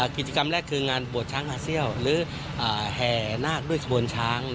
กิจกรรมแรกคืองานบวชช้างอาเซียลหรือแห่นาคด้วยขบวนช้าง